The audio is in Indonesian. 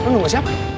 eh lo nunggu siapa